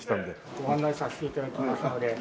ご案内させて頂きますので。